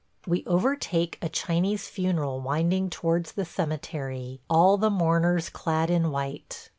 We overtake a Chinese funeral winding towards the cemetery, all the mourners clad in white.